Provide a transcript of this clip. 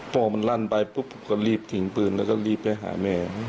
พ่อมันลั่นไปปุ๊บก็รีบทิ้งปืนแล้วก็รีบไปหาแม่